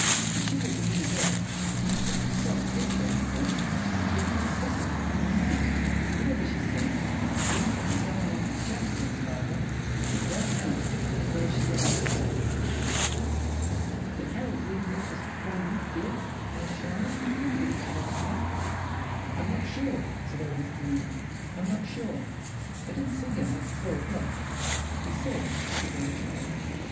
When she was a little girl she had such a soft, hesitating voice; she had even stuttered, and now, whatever she said—even if it was only "Jam, please, father"—it rang out as though she were on the stage. "Did Harold leave the office before you, dear?" asked Charlotte, beginning to rock again. "I'm not sure," said Old Mr. Neave. "I'm not sure. I didn't see him after four o'clock." "He said—" began Charlotte.